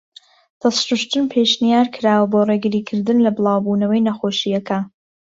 دەست شووشتن پێشنیارکراوە بۆ ڕێگری کردن لە بڵاو بوونەوەی نەخۆشیەکە.